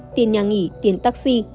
tiền nhà nghỉ tiền taxi